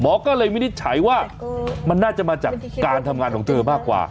ก็เลยวินิจฉัยว่ามันน่าจะมาจากการทำงานของเธอมากกว่า